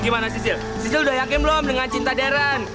gimana sisil sisil udah yakin belum dengan cinta deren